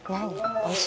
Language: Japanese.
おいしい？